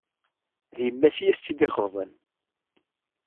D yemma-s i as-tt-id-ixeḍben.